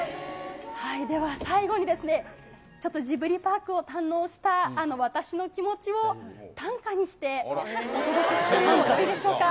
では、最後にですね、ちょっとジブリパークを堪能した私の気持ちを、短歌にしてお届けしてもいいでしょうか。